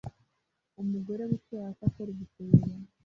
Umugore wicaye hasi akora igitebo